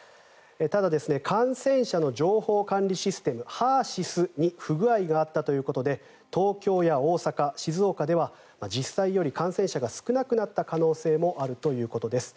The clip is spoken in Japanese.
ただ、感染者の情報管理システムＨＥＲ−ＳＹＳに不具合があったということで東京や大阪、静岡では実際より感染者が少なくなった可能性もあるということです。